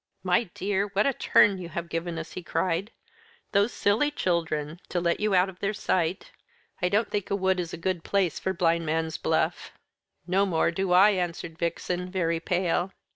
"My dear, what a turn you have given us!" he cried; "those silly children, to let you out of their sight! I don't think a wood is a good place for Blindman's Buff." "No more do I," answered Vixen, very pale.